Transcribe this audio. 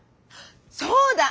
そうだ！